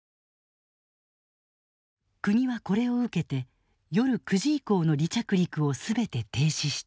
国はこれを受けて夜９時以降の離着陸を全て停止した。